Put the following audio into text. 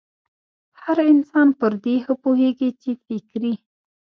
هر انسان پر دې ښه پوهېږي چې فکري